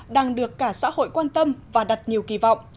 đang được cả xã hội quan tâm và đặt nhiều kỳ vọng